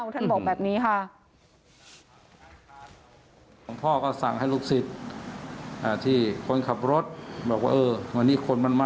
ท่านบอกแบบนี้ค่ะ